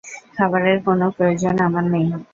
খাবারের কোন প্রয়োজন আমার নেই।